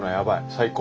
最高。